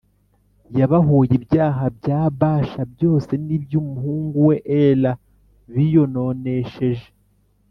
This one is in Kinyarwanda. Yabahoye ibyaha bya Bāsha byose n’iby’umuhungu we Ela biyononesheje